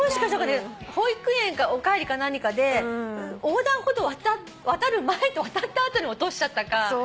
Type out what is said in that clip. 保育園かお帰りか何かで横断歩道渡る前と渡った後に落としちゃったか。